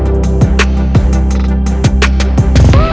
aku sangat takut kehilangan ibu